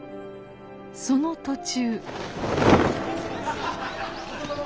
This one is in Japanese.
その途中。